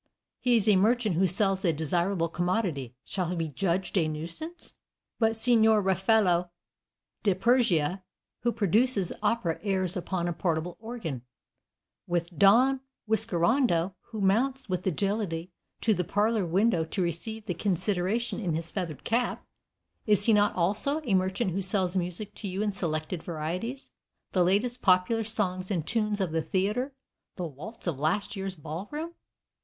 He is a merchant who sells a desirable commodity. Shall he be adjudged a nuisance? But Signor Raffaello da Perugia, who produces opera airs upon a portable organ, with Don Whiskerando, who mounts with agility to the parlor window to receive the consideration in his feathered cap, is he not also a merchant who sells music to you in selected varieties, the latest popular songs and tunes of the theatre, the waltz of last year's ball room?